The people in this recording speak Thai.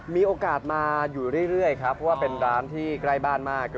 มีโอกาสมาอยู่เรื่อยครับเพราะว่าเป็นร้านที่ใกล้บ้านมาก